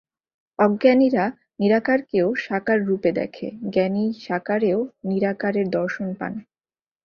অজ্ঞানীরা নিরাকারকেও সাকাররূপে দেখে, জ্ঞানী সাকারেও নিরাকার এর দর্শন পান।